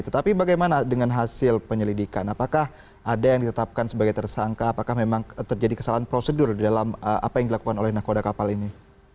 tetapi bagaimana dengan hasil penyelidikan apakah ada yang ditetapkan sebagai tersangka apakah memang terjadi kesalahan prosedur dalam apa yang dilakukan oleh nakoda kapal ini